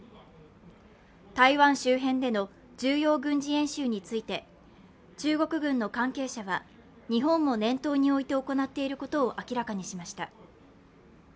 台湾周辺での重要軍事演習について、中国軍の関係者は、日本も念頭に置いて行っていることを明らかにしました。